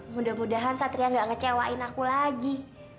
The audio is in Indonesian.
mudah mudahan satria gak ngecewain aku lagi